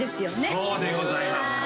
そうでございます